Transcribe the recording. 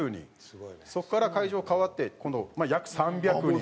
そこから会場変わって今度約３００人。